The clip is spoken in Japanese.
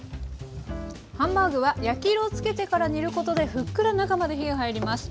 ハンバーグは焼き色を付けてから煮ることでふっくら中まで火が入ります。